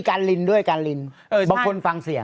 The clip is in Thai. การลินด้วยการลินบางคนฟังเสียง